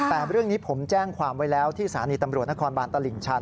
แต่เรื่องนี้ผมแจ้งความไว้แล้วที่สถานีตำรวจนครบานตลิ่งชัน